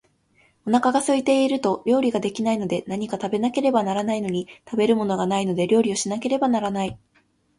お腹が空いていると料理が出来ないので、何か食べなければならないのに、食べるものがないので料理をしなければならない